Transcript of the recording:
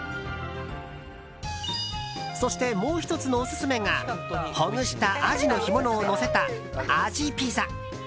そして、もう１つのオススメがほぐしたアジの干物をのせたあじピザ。